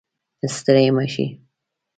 ستړي مه شئ